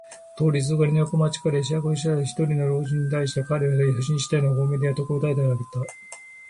通りすがりに横町から会釈えしゃくした一人の知人に対しても彼は放心したような微笑でやっと答えただけだった。